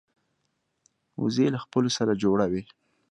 وزې له خپلو سره جوړه وي